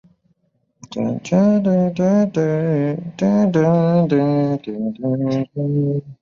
川崎新町站的铁路车站。